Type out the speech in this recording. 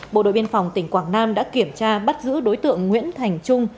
bộ đội biên phòng tỉnh quảng nam đã kiểm tra bắt giữ đối tượng nguyễn thành trung